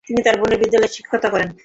তিনি তার বোনের বিদ্যালয়েও শিক্ষকতা করেন।